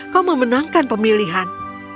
kau memenangkan pemilihan